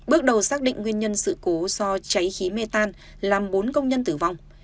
bước đầu xác định nguyên nhân sự cố do cháy khí mê tan làm bốn công nhân tử vong